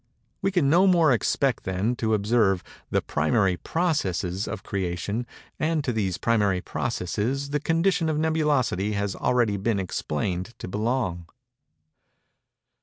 We can no more expect, then, to observe the primary processes of Creation; and to these primary processes the condition of nebulosity has already been explained to belong.